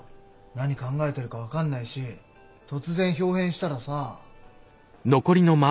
何考えてるか分かんないし突然豹変したらさあ。